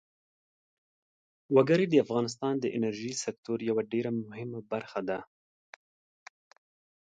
وګړي د افغانستان د انرژۍ سکتور یوه ډېره مهمه برخه ده.